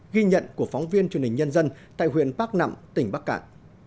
ghi nhận của phóng viên truyền hình nhân dân tại huyện bắc nẵm tỉnh bắc cạn